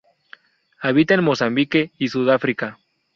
Habita en Mozambique y Sudáfrica.